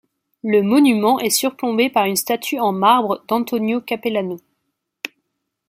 Le monument est surplombé par une statue en marbre d'Antonio Capellano.